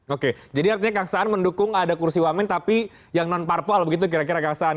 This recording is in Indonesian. oke jadi artinya kang saan mendukung ada kursi wamen tapi yang non parpol begitu kira kira kang saan